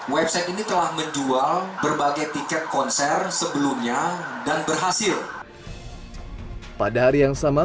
website ini telah menjual berbagai tiket konser sebelumnya dan berhasil pada hari yang sama